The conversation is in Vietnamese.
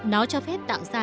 nó cho phép tạo ra